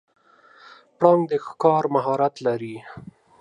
پړانګ د ښکار مهارت لري.